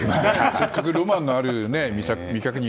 せっかくロマンのある未確認